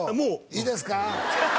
いいですか？